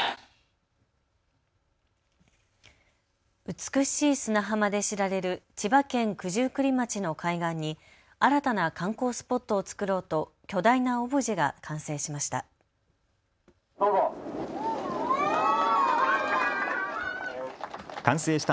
美しい砂浜で知られる千葉県九十九里町の海岸に新たな観光スポットを作ろうと巨大なオブジェが完成しました。